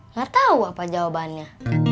nggak tahu apa jawabannya